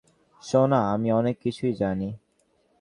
সোনা, আমি অনেক কিছুই জানি।